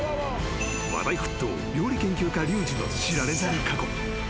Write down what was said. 話題沸騰、料理研究家リュウジの知られざる過去。